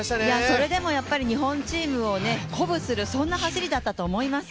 それでもやっぱり日本チームを鼓舞するそんな走りだったと思います。